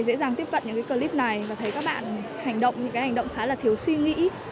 dễ dàng tiếp cận những cái clip này và thấy các bạn hành động những cái hành động khá là thiếu suy nghĩ